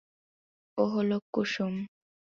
ও হলো কুসুম।